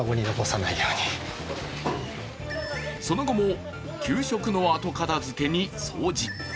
その後も給食の後片づけに掃除。